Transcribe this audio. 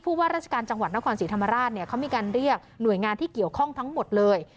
ว่าราชการจังหวัดนครศรีธรรมราชเนี่ยเขามีการเรียกหน่วยงานที่เกี่ยวข้องทั้งหมดเลย